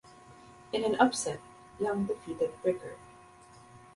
In an upset, Young defeated Bricker.